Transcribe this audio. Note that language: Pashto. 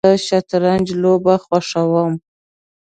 زه شطرنج لوبه خوښوم